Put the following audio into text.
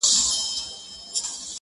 توري ورځي سپیني شپې مي نصیب راکړې!.